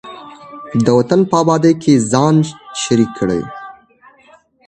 د وطن په ابادۍ کې ځان شریک کړئ.